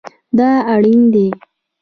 دا اړین دی